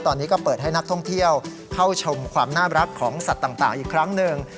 ตอนนี้ก็เปิดให้นักท่องเที่ยวเข้าชมความน่ารักของสัตว์ต่างอีกครั้งหนึ่ง